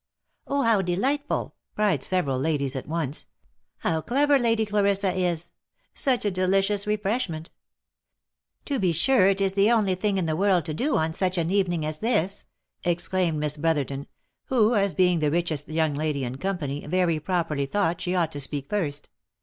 "Oh! how delightful!" cried several ladies at once. "How clever Lady Clarissa is ! Such a delicious refreshment I" " To be sure, it is the only thing in the world to do on such an evening as this," exclaimed Miss Brotherton ; who, as being the richest young lady in company, very properly thought she ought to speak first.